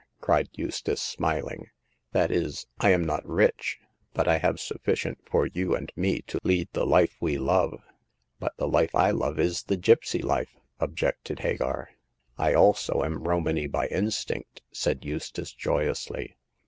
" cried Eustace, smiling —that is, I am not rich, but I have sufficient for you and me to lead the life we love/' But the life I love is the gipsy life," objected Hagar. I also am Romany by instinct," said Eustace, joyously.